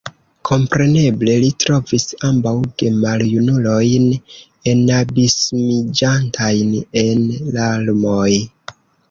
Kompreneble li trovis ambaŭ gemaljunulojn enabismiĝantajn en larmoj.